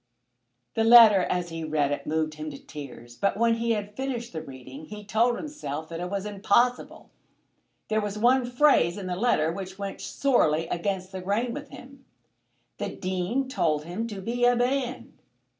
The letter as he read it moved him to tears, but when he had finished the reading he told himself that it was impossible. There was one phrase in the letter which went sorely against the grain with him. The Dean told him to be a man.